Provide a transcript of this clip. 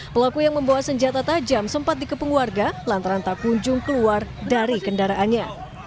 pelaku yang membawa senjata tajam sempat dikepenguarga lantaran takunjung keluar dari kendaraannya